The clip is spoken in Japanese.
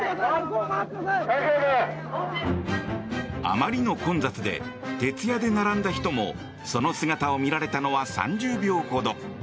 あまりの混雑で徹夜で並んだ人もその姿を見られたのは３０秒ほど。